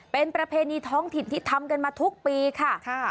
เป็นประเพณีท้องถิ่นที่ทำกันมาทุกปีค่ะ